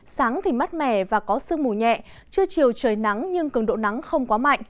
sáng thì mát mẻ và có sương mù nhẹ chưa chiều trời nắng nhưng cường độ nắng không quá mạnh